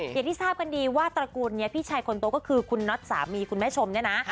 อย่างที่ทราบกันดีว่าตระกูลนี้พี่ชายคนโตก็คือคุณน็อตสามีคุณแม่ชมเนี่ยนะ